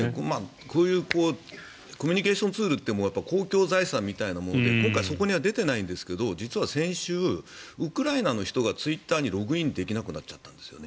こういうコミュニケーションツールって公共財産みたいなもので今回、そこには出ていないんですが実は先週、ウクライナの人がツイッターにログインできなくなっちゃったんですよね。